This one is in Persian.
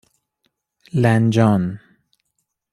لنجان